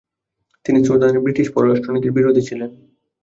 তিনি সুদানে ব্রিটিশ পররাষ্ট্রনীতির বিরোধী ছিলেন।